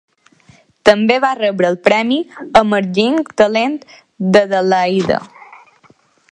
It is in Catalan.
També va rebre el premi Emerging Talent d"Adelaida.